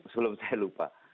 sebelum saya lupa